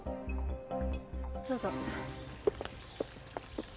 どうぞ。